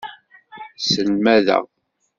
Sselmadeɣ.